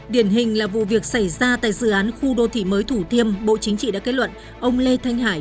điển hình là vụ việc xảy ra tại dự án khu đô thị mới thủ tiêm bộ chính trị đã kết luận ông lê thanh hải